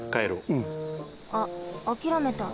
うん。あっあきらめた。